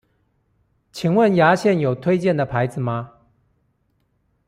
請問牙線有推薦的牌子嗎？